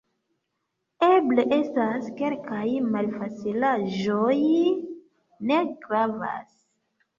Eble estas kelkaj malfacilaĵoj... ne gravas.